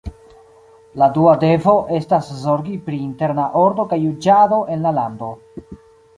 La dua devo estas zorgi pri interna ordo kaj juĝado en la lando.